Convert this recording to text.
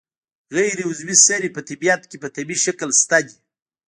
غیر عضوي سرې په طبیعت کې په طبیعي شکل شته دي.